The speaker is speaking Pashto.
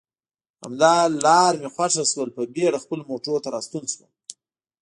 همدا لار مې خوښه شول، په بېړه خپلو موټرو ته راستون شوم.